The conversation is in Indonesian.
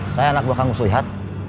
saya anak buah kamus lihat